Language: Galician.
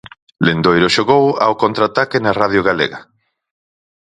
Lendoiro xogou Ao contraataque na Radio Galega.